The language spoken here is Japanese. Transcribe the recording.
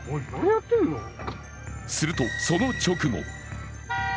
すると、その直後。